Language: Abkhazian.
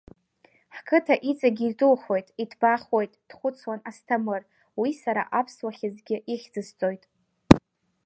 Ҳқыҭа иҵегьгьы идухоит, иҭбаахоит, дхәыцуан Асҭамыр, уи сара аԥсуа хьыӡгьы ихьӡысҵоит.